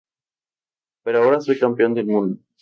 Pero ahora soy campeón del mundo".